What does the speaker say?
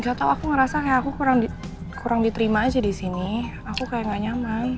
gak tau aku ngerasa kayak aku kurang diterima aja di sini aku kayak gak nyaman